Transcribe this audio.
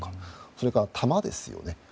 それから弾ですね。